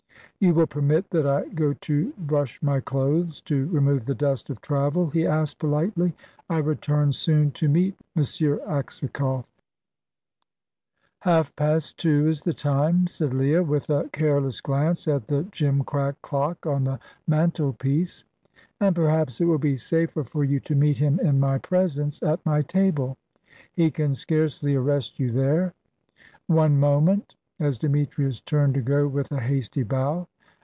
"You will permit that I go to brush my clothes to remove the dust of travel," he asked politely. "I return soon to meet M. Aksakoff." "Half past two is the time," said Leah, with a careless glance at the gimcrack clock on the mantelpiece; "and perhaps it will be safer for you to meet him in my presence at my table. He can scarcely arrest you there. One moment," as Demetrius turned to go with a hasty bow.